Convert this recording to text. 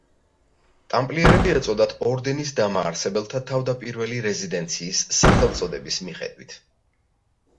ტამპლიერები ეწოდათ ორდენის დამაარსებელთა თავდაპირველი რეზიდენციის სახელწოდების მიხედვით.